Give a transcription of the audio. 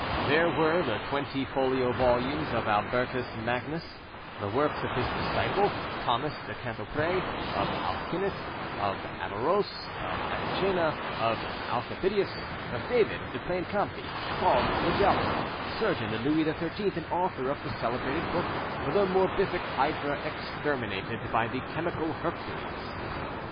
There were the twenty folio volumes of Albertus Magnus; the works of his disciple, Thomas de Cantopre, of Alchindus, of Averroes, of Avicenna, of Alchabitius, of David de Plaine Campy, called L'Edelphe, surgeon to Louis XIII and author of the celebrated book The Morbific Hydra Exterminated by the Chemical Hercules.